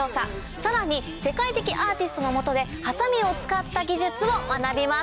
さらに世界的アーティストの下でハサミを使った技術を学びます。